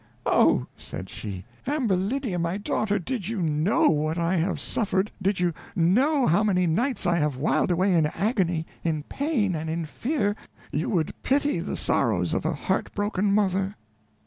"Oh!" said she, "Ambulinia, my daughter, did you know what I have suffered did you know how many nights I have whiled away in agony, in pain, and in fear, you would pity the sorrows of a heartbroken mother."